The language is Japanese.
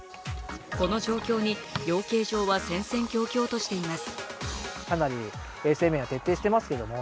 この状況に、養鶏場は戦々恐々としています。